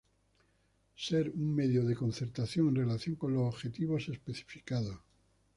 Ser un medio de concertación en relación con los objetivos especificados.